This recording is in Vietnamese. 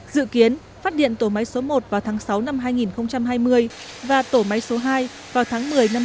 dự kiến phát điện tổ máy số một vào tháng sáu năm hai nghìn hai mươi và tổ máy số hai vào tháng một mươi năm hai nghìn hai mươi